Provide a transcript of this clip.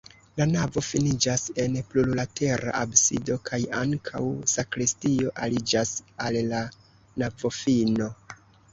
La navo finiĝas en plurlatera absido kaj ankaŭ sakristio aliĝas al la navofino.